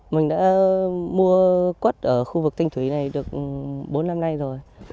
mình đã mua quất ở khu vực thanh thủy này được bốn năm nay rồi